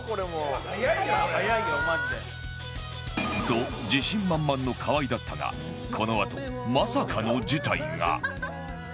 と自信満々の河合だったがこのあとまさかの事態が